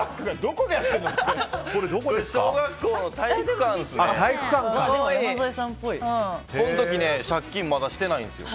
この時借金まだしていないんですよ。